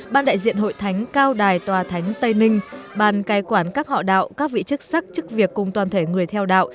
ban đại diện hội thánh cao đài tòa thánh tây ninh bàn cai quản các họ đạo các vị chức sắc chức việc cùng toàn thể người theo đạo